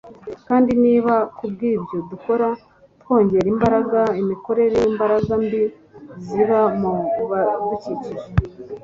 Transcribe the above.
kandi niba kubw'ibyo dukora twongera imbaraga imikorere y'imbaraga mbi ziba mu badukikije